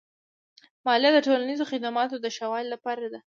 مالیه د ټولنیزو خدماتو د ښه والي لپاره اړینه ده.